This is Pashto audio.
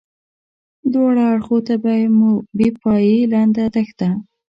دواړه اړخو ته مو بې پایې لنده دښته.